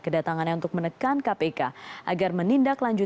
kedatangannya untuk menekan kpk agar menindak lanjutkan